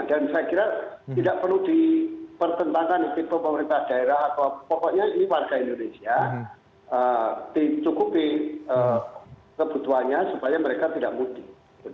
dan saya kira tidak perlu dipertentangkan oleh pemerintah daerah atau pokoknya warga indonesia dicukupi kebutuhannya supaya mereka tidak mudik